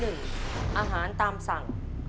เรื่องที่๑อาฆาตามสั่ง